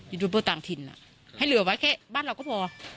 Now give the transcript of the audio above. ดูเบอร์ต่างถิ่นให้เหลือไว้แค่บ้านเราก็พอ